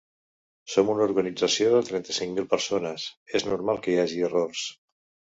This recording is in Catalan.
Som una organització de trenta-cinc mil persones, és normal que hi hagi errors.